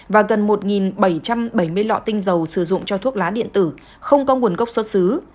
và gần một bảy trăm bảy mươi lọ tinh dầu sử dụng cho thuốc lá điện tử không có nguồn gốc xuất xứ